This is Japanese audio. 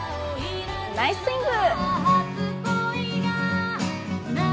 ナイス・スイング！